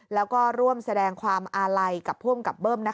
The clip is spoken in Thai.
แล้วก็ร่วมแสดงความอาลัยกับผู้อำกับเบิ้ม